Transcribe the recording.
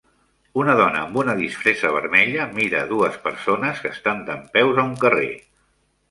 Una dona amb una disfressa vermella mira a dues persones que estan dempeus a un carrer.